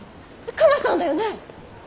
クマさんだよね？